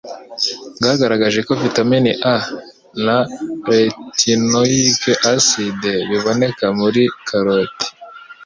bwagaragaje ko vitamine A na 'retinoic acid' biboneka muri karoti